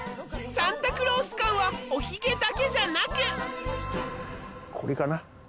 サンタクロース感はおヒゲだけじゃなくこれかな？